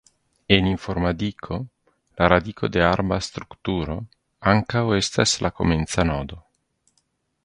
En informadiko, la radiko de arba strukturo ankaŭ estas la komenca nodo.